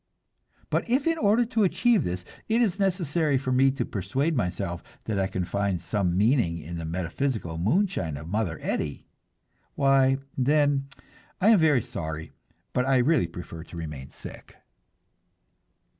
But if in order to achieve this, it is necessary for me to persuade myself that I can find some meaning in the metaphysical moonshine of Mother Eddy why, then, I am very sorry, but I really prefer to remain sick.